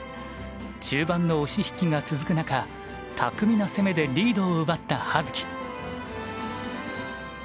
中盤の押し引きが続く中巧みな攻めでリードを奪った葉月。